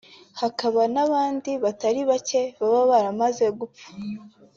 hakaba n’abandi batari bake baba baramaze gupfa